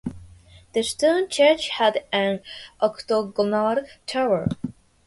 The stone church had an octagonal tower.